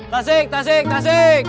tasik tasik tasik